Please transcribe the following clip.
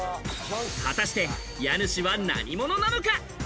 果たして家主は何者なのか？